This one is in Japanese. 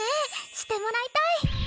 してもらいたい！